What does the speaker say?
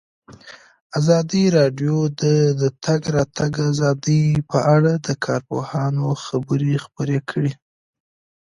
ازادي راډیو د د تګ راتګ ازادي په اړه د کارپوهانو خبرې خپرې کړي.